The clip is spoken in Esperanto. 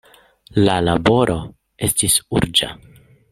La laboro estis urĝa.